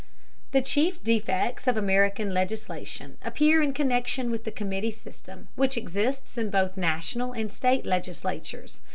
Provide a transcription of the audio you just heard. The chief defects of American legislation appear in connection with the committee system which exists in both National and state legislatures.